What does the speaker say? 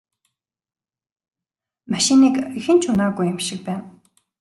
Машиныг хэн ч унаагүй юм шиг байна.